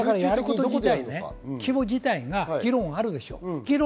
規模自体に議論があるでしょう。